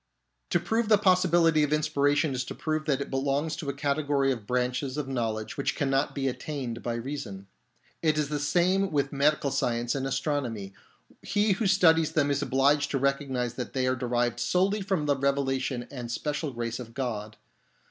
To prove the possibility of inspiration is to prove that it belongs to a category of branches of know ledge which cannot be attained by reason. It is the same with medical science and astronomy. He who studies them is obliged to recognise that they are derived solely from the revelation and special grace of God.